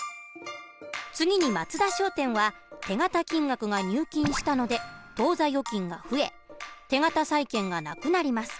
次に松田商店は手形金額が入金したので当座預金が増え手形債権がなくなります。